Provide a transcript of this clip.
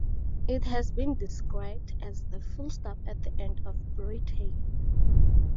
It has been described as "the full stop at the end of Britain".